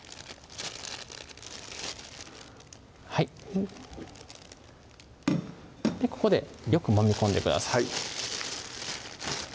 はいここでよくもみ込んでください